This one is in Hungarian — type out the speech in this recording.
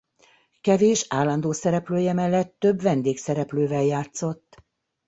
Kevés állandó szereplője mellett több vendégszereplővel játszott.